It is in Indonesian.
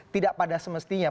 tidak pada semestinya